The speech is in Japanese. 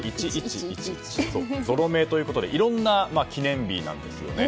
「１１１１」でぞろ目ということでいろんな記念日なんですよね。